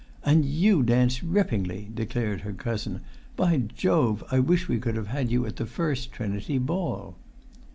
"And you dance rippingly," declared her cousin; "by Jove, I wish we could have you at the First Trinity ball!"